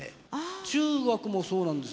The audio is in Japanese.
中学もそうなんです。